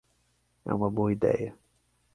É uma boa ideia!